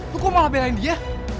lo kok malah belain dia